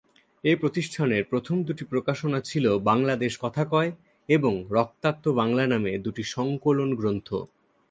এ প্রতিষ্ঠানের প্রথম দুটি প্রকাশনা ছিল "বাংলাদেশ কথা কয়" এবং "রক্তাক্ত বাংলা" নামে দুটি সংকলন গ্রন্থ।